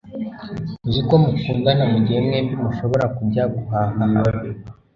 Uzi ko mukundana mugihe mwembi mushobora kujya guhaha hamwe.”